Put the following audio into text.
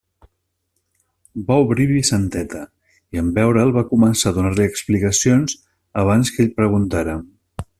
Va obrir Vicenteta, i en veure'l va començar a donar-li explicacions abans que ell preguntara.